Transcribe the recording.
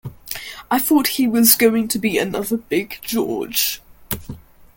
I thought he was going to be another Big George.